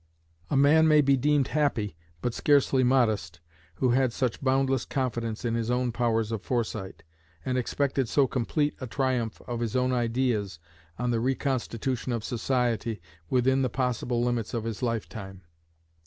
A man may be deemed happy, but scarcely modest, who had such boundless confidence in his own powers of foresight, and expected so complete a triumph of his own ideas on the reconstitution of society within the possible limits of his lifetime.